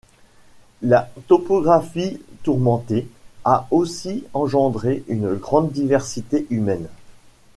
La topographie tourmentée a aussi engendré une grande diversité humaine.